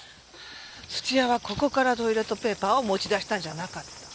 土屋はここからトイレットペーパーを持ち出したんじゃなかった。